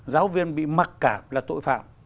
giáo viên bị mặc cảm là tội phạm